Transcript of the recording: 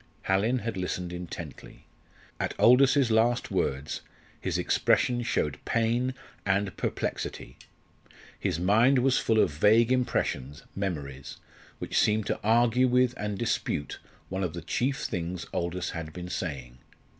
Hallin had listened intently. At Aldous's last words his expression showed pain and perplexity. His mind was full of vague impressions, memories, which seemed to argue with and dispute one of the chief things Aldous had been saying.